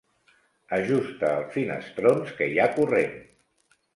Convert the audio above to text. Ajusta els finestrons, que hi ha corrent!